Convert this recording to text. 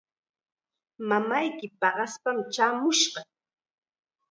Mamayki paqaspa chaamushqa.